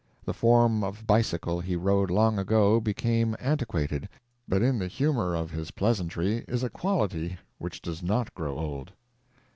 The form of bicycle he rode long ago became antiquated, but in the humor of his pleasantry is a quality which does not grow old.